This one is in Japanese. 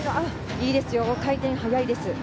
いいですよ、回転が速いです。